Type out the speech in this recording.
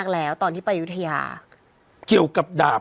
อ๋อต้องออกแล้วใช่ไหมฮะเดี๋ยวกลับมาฮะเดี๋ยวกลับมาฮะ